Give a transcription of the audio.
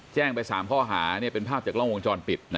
แจ้งไป๓ข้อหาเป็นภาพจากกล้องวงจรปิด